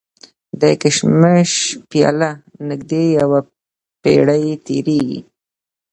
د کشمش پیله نژدې یوه پېړۍ تېرېږي.